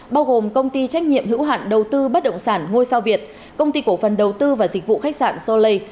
bao gồm công ty trách nhiệm hữu hạn đầu tư bất động sản ngôi sao việt công ty cổ phần đầu tư và dịch vụ khách sạn soleil